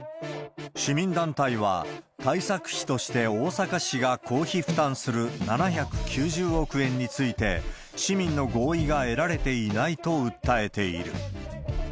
市民団体は、対策費として大阪市が公費負担する７９０億円について、市民の合意が得られていないと訴えている。